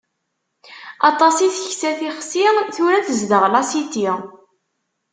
Aṭas i teksa tixsi, tura tezdeɣ lasiti.